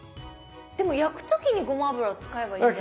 でも焼く時にごま油を使えばいいんじゃないですか？